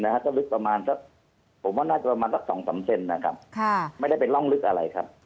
สักลึกประมาณสัก๒๓เซนไม่ได้เป็นร่องลึกอะไรครับ